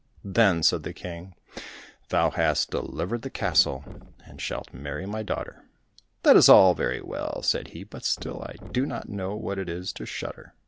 "Then," said the King, "thou hast delivered the castle, and shalt marry my daughter." "That is all very well," said he, "but still I do not know what it is to shudder."